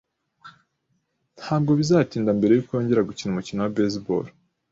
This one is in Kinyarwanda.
Ntabwo bizatinda mbere yuko yongera gukina umukino wa baseball